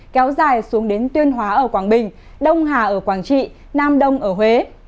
kéo dài xuống đến tuyên hóa ở quảng bình đông hà ở quảng trị nam đông ở huế